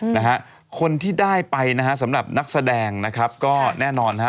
นะฮะคนที่ได้ไปนะฮะสำหรับนักแสดงนะครับก็แน่นอนฮะ